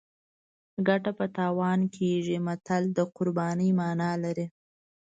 ګټه په تاوان کېږي متل د قربانۍ مانا لري